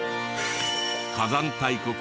火山大国